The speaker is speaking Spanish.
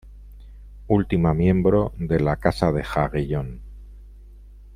Última miembro de la Casa de Jagellón.